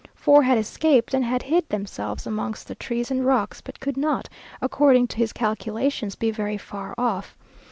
Four had escaped, and had hid themselves amongst the trees and rocks, but could not, according to his calculations, be very far off.